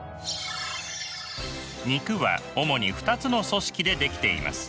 肉は主に２つの組織で出来ています。